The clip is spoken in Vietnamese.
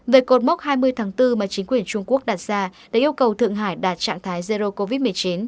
về cột mốc hai mươi tháng bốn mà chính quyền trung quốc đặt ra để yêu cầu thượng hải đạt trạng thái zero covid một mươi chín